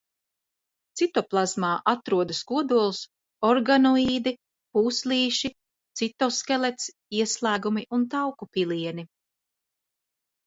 Citoplazmā atrodas kodols, organoīdi, pūslīši, citoskelets, ieslēgumi un tauku pilieni.